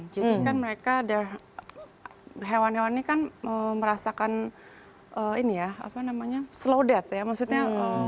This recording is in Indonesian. jadi kan mereka hewan hewan ini kan merasakan slow death ya maksudnya